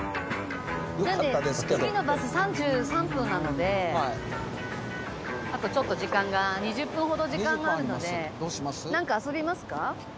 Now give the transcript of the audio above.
じゃあね次のバス３３分なのであとちょっと時間が２０分ほど時間があるのでなんか遊びますか？